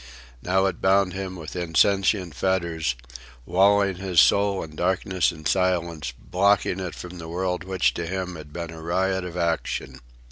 Now it bound him with insentient fetters, walling his soul in darkness and silence, blocking it from the world which to him had been a riot of action.